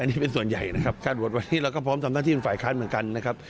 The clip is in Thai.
อันนี้เป็นส่วนใหญ่นะครับการโหวตวันนี้เราก็พร้อมทำหน้าที่เป็นฝ่ายค้านเหมือนกันนะครับ